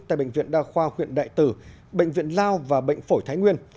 tại bệnh viện đa khoa huyện đại tử bệnh viện lao và bệnh phổi thái nguyên